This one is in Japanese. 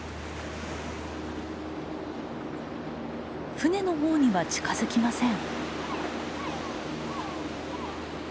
船のほうには近づきません。